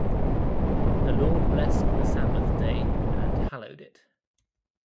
the Lord blessed the sabbath day and hallowed it